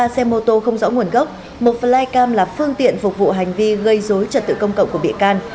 một xe mô tố không rõ nguồn gốc một flycam là phương tiện phục vụ hành vi gây dối trật tự công cộng của bịa can